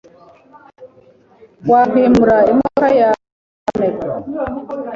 Wakwimura imodoka yawe, nyamuneka?